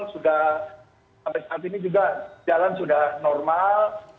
sudah sampai saat ini juga jalan sudah normal